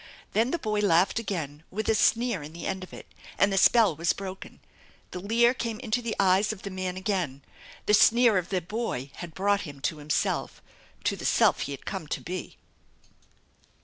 Then the boy laughed again, with a sneer in the end of it, and the spell was broken. The leer came into the eyes of the man again. The sneer of the boy had brought him to himself, to the self he had come to be.